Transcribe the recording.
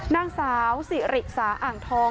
นางสาวสิริสาอ่างทอง